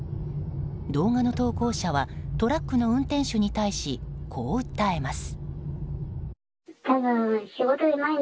動画の投稿者は、トラックの運転手に対しこう訴えます。